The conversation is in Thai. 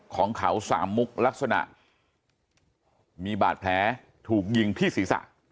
ของเขาสามมุกลักษณะมีบาดแผลถูกยิงที่ศีรษะ